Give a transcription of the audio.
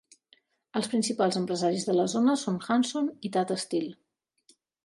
Els principals empresaris de la zona són Hanson i Tata Steel.